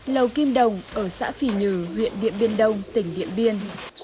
lầu kim đồng ở xã phì nhừ huyện điện biên đông tỉnh điện biên